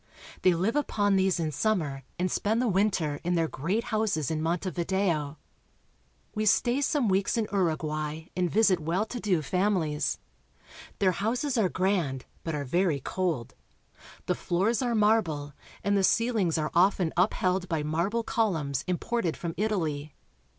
They live upon these in summer and spend the winter in their great houses in Montevideo. We stay some weeks in Uruguay and visit well to do families. Their houses are grand, but are very cold. The floors are marble, and the ceiHngs are often upheld by marble columns im ported from Italy.